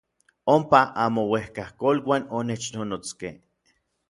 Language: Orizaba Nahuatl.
Ompa anmouejkakoluan onechnonotskej.